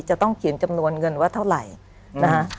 จะต้องเขียนจำนวนเงินว่าเท่าไหร่นะคะ